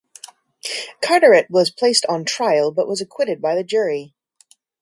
Carteret was placed on trial, but was acquitted by the jury.